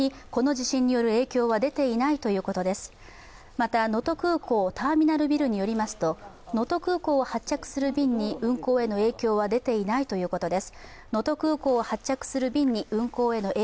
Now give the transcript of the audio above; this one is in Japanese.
また能登空港ターミナルビルによりますと能登空港を発着する便に運航への影響は出ていないということです。